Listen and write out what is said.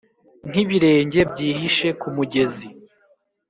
nkibirenge byihishe kumugezi,